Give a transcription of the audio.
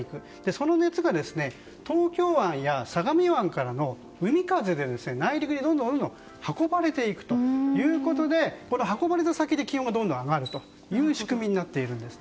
その熱が、東京湾や相模湾からの海風で、内陸にどんどん運ばれていくということで運ばれた先で気温が上がるという仕組みになっているんです。